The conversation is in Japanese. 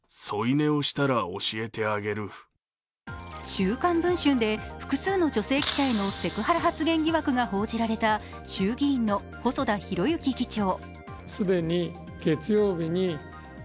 「週刊文春」で複数の女性記者へのセクハラ発言疑惑が報じられた衆議院の細田博之議長。